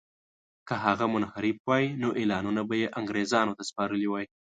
که هغه منحرف وای نو اعلانونه به یې انګرېزانو ته سپارلي وای.